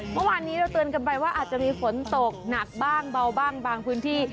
เมื่อวานนี้เราเตือนกันไปว่าอาจจะมีฝนตกหนักบ้างเบาบ้างบางพื้นที่